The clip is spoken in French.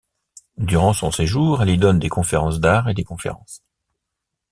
Durant son séjour, elle y donne des leçons d'art et des conférences.